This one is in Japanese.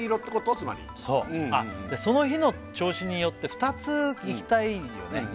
つまりそうその日の調子によって２ついきたいよね